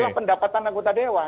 itulah pendapatan anggota dewan